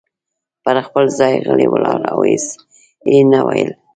پر خپل ځای غلی ولاړ و او هیڅ یې نه ویل.